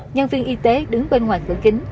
nhân viên y tế đứng bên ngoài cửa kính